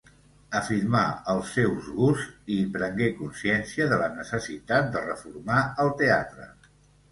Afirmà els seus gusts i prengué consciència de la necessitat de reformar el teatre.